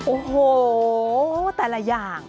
โอ้โหแต่ละอย่าง